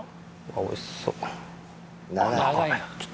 おいしそ